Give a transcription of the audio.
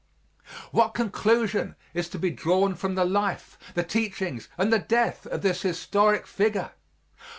What conclusion is to be drawn from the life, the teachings and the death of this historic figure?